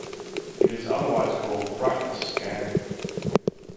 It is otherwise called brightness scan.